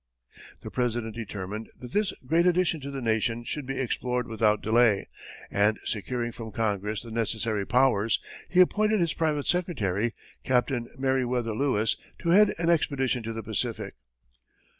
The President determined that this great addition to the Nation should be explored without delay, and, securing from Congress the necessary powers, he appointed his private secretary, Captain Meriwether Lewis, to head an expedition to the Pacific.